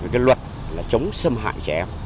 cái luật là chống xâm hại trẻ em